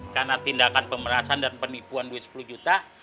karena tindakan pemerasan dan penipuan duit sepuluh juta